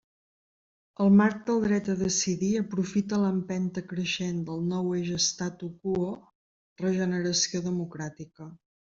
El marc del dret a decidir aprofita l'empenta creixent del nou eix statu quo-regeneració democràtica.